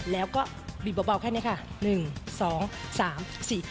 แล้วก็บิดเบาแค่นี้